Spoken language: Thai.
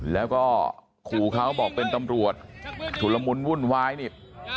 แล้วก็ขู่เขาบอกเป็นตำรวจชุดละมุนวุ่นวายนี่